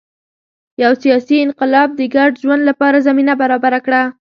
یو سیاسي انقلاب د ګډ ژوند لپاره زمینه برابره کړه